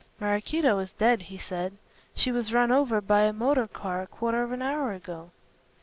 "Maraquito is dead," he said, "she was run over by a motor car a quarter of an hour ago."